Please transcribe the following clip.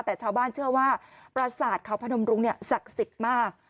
แต่ชาวบ้านเชื่อว่าประสาทเขาพนมรุงศักดิ์สิทธิ์มาก